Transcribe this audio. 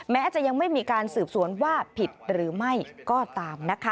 แม้จะยังไม่มีการสืบสวนว่าผิดหรือไม่ก็ตามนะคะ